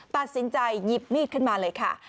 ตัดสินใจหยิบมีดขึ้นมาเลยค่ะ